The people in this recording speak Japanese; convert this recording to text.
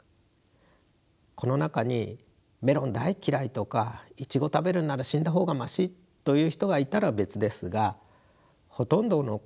この中にメロン大嫌いとかイチゴ食べるんなら死んだ方がマシという人がいたら別ですがほとんどの子はそうじゃないですよね。